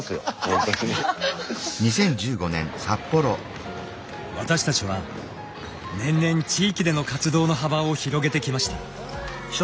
私たちは年々地域での活動の幅を広げてきました。